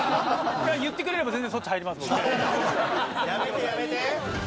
言ってくれれば全然そっち入ります僕。